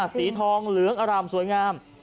สีทองเหลืองอร่ามสวยงาม